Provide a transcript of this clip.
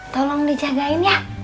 tolong dijagain ya